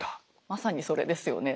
まさにそれですよね。